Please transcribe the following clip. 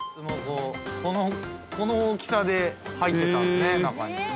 ◆この大きさで入ってたんですね中に。